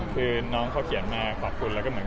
คือน้องเขาเขียนมากขอบคุณ